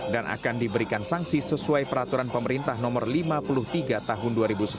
dan akan diberikan sanksi sesuai peraturan pemerintah nomor lima puluh tiga tahun dua ribu sepuluh